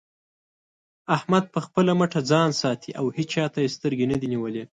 احمد په خپله مټه ځان ساتي او هيچا ته يې سترګې نه دې نيولې.